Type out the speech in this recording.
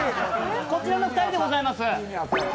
こちらの２人でございます。